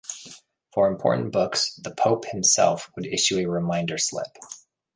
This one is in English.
For important books, the pope himself would issue a reminder slip.